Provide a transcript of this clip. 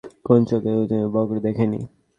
কোন চোখ এ ধরনের সুন্দর বকরী দেখেনি।